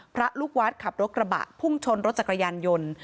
พระลูกวัดขับรถกระบะพุ่งชนรถจักรยานยนต์